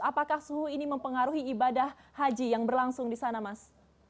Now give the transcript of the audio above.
apakah suhu ini mempengaruhi ibadah haji yang berlangsung di sana mas